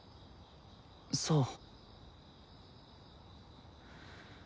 そう。